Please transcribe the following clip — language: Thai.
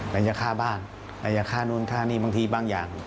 ระยะค่าบ้านระยะค่านู้นค่านี่บางทีบางอย่าง